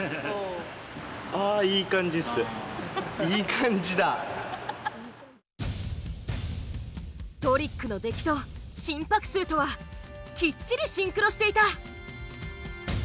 何かトリックの出来と心拍数とはきっちりシンクロしていた。